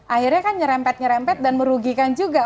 akhirnya kan nyerempet nyerempet dan merugikan juga